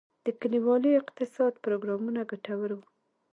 د کلیوالي اقتصاد پروګرامونه ګټور وو؟